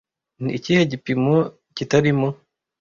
Ni ikihe gipimo kitarimo